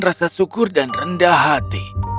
rasa syukur dan rendah hati